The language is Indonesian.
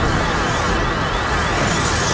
jangan berani kurang ajar padaku